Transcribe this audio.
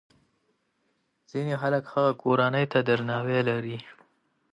ځینې خلک د هغه کورنۍ ته درناوی لري.